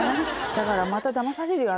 だからまただまされるよ